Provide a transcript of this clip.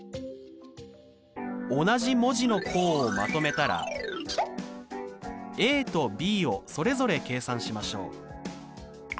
同じ文字の項をまとめたらとｂをそれぞれ計算しましょう。